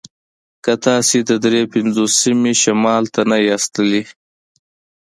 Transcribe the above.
که تاسې د دري پنځوسمې شمال ته نه یاست تللي